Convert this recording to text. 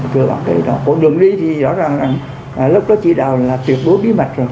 cứ bằng cái đó có đường đi thì rõ ràng là lúc đó chỉ đào là tuyệt vô bí mật rồi